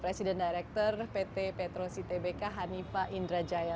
president director pt petrocy tbk hanifah indrajaya